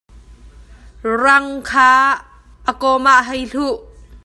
Rang kha a kawm ah hei hluh.